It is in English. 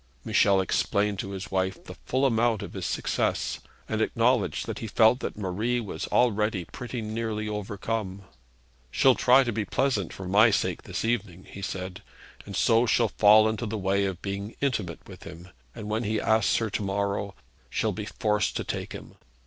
Michel explained to his wife the full amount of his success, and acknowledged that he felt that Marie was already pretty nearly overcome. 'She'll try to be pleasant for my sake this evening,' he said, 'and so she'll fall into the way of being intimate with him; and when he asks her to morrow she'll be forced to take him.'